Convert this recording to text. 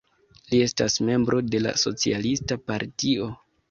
Li estas membro de la Socialista Partio.